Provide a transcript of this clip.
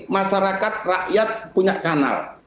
masyarakat rakyat punya kanal